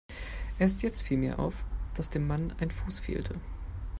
Erst jetzt viel mir auf, dass dem Mann ein Fuß fehlte.